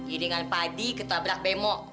ini dengan padi ketabrak bemo